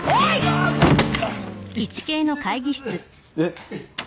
えっ！？